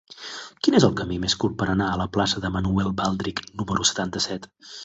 Quin és el camí més curt per anar a la plaça de Manuel Baldrich número setanta-set?